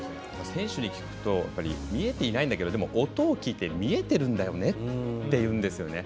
選手に聞くと見えていないんだけれども音を聞いて見えてるんだよねと話すんですよね。